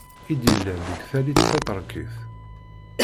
I d-yellan deg tallit taterkit.